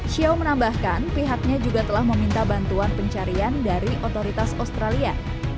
xiao menambahkan pihaknya juga telah meminta bantuan pencarian dari otoritas australia